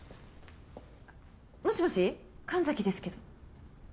もしもし神崎ですけど。